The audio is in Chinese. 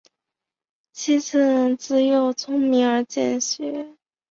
李鏊自幼聪明而勤学。